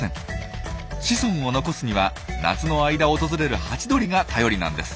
子孫を残すには夏の間訪れるハチドリが頼りなんです。